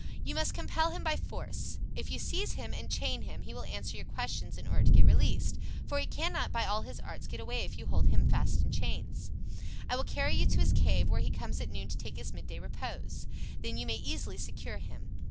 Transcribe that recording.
You must compel him by force. If you seize him and chain him, he will answer your questions in order to get released, for he cannot by all his arts get away if you hold fast the chains. I will carry you to his cave, where he comes at noon to take his midday repose. Then you may easily secure him.